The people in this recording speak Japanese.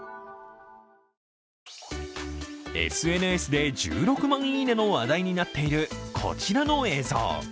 ＳＮＳで１６万いいねの話題になっている、こちらの影像。